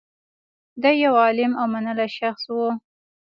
دی یو عالم او منلی شخص و